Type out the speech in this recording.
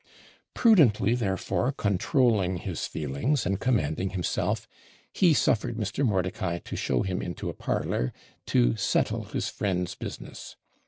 Prudently, therefore, controlling his feelings, and commanding himself, he suffered Mr. Mordicai to show him into a parlour, to SETTLE his friend's business.